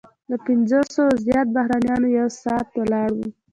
له پنځوسو زیات بهرنیان یو ساعت ولاړ وو.